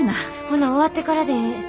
ほな終わってからでええ。